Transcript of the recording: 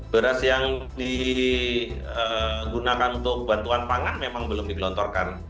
beras yang digunakan untuk bantuan pangan memang belum digelontorkan